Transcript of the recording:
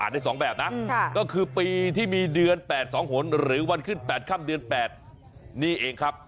ได้๒แบบนะก็คือปีที่มีเดือน๘๒หนหรือวันขึ้น๘ค่ำเดือน๘นี่เองครับ